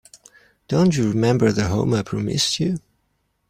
Don't you remember the home I promised you?